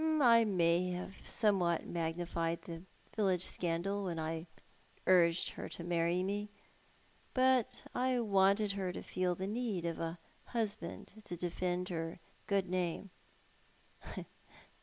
I may have somewhat magnified the village scandal when I urged her to marry me. I wanted her to feel the need of a husband to defend her good name."